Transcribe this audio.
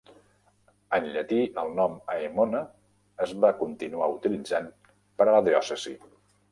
En llatí el nom "Aemona" es va continuar utilitzant per a la diòcesi.